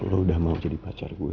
lo udah mau jadi pacar gue